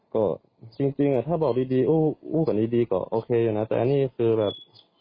ก็จริงถ้าบอกดีก็โอเคนะแต่นี่คือแบบ